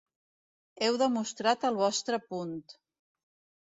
Heu demostrat el vostre punt.